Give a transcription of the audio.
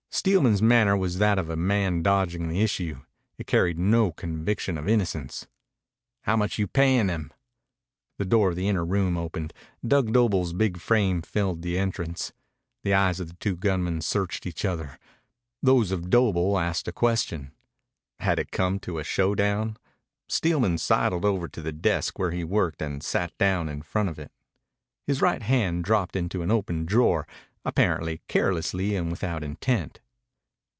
Steelman's manner was that of a man dodging the issue. It carried no conviction of innocence. "How much you payin' him?" The door of the inner room opened. Dug Doble's big frame filled the entrance. The eyes of the two gunmen searched each other. Those of Doble asked a question. Had it come to a showdown? Steelman sidled over to the desk where he worked and sat down in front of it. His right hand dropped into an open drawer, apparently carelessly and without intent.